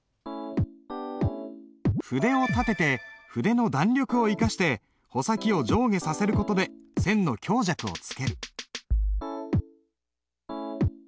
筆を立てて筆の弾力を生かして穂先を上下させる事で線の強弱をつける。